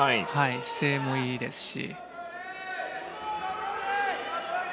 姿勢もいいですし。